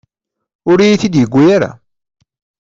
Ur iyi-t-id-yuwi ara.